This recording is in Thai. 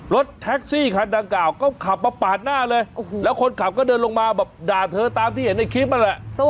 รถแท็กซี่คันดังกล่าวก็ขับมาปาดหน้าเลยแล้วคนขับก็เดินลงมาแบบด่าเธอตามที่เห็นในคลิปนั่นแหละ